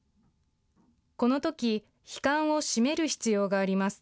このとき樋管を閉める必要があります。